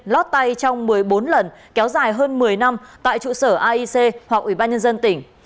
lót tay trong một mươi bốn lần kéo dài hơn một mươi năm tại trụ sở aic hoặc ủy ban nhân dân tỉnh